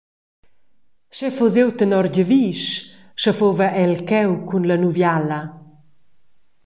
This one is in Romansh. Sch’ei fuss iu tenor giavisch, sche fuva el cheu cun la nuviala.